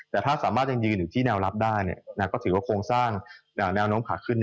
แต่ถ้าอยู่ที่แนวลับได้เนี่ยก็สิริกว่าโครงสร้างแนวน้องผักขึ้น